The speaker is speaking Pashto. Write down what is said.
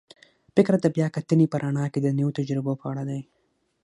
فکر د بیا کتنې په رڼا کې د نویو تجربو په اړه دی.